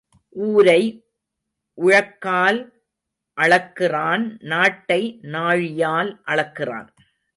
ஊரை உழக்கால் அளக்கிறான் நாட்டை நாழியால் அளக்கிறான்.